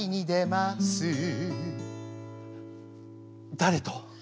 「誰と？」。